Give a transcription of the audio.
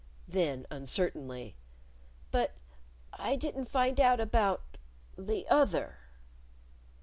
Then uncertainly, "But I didn't find out about the other."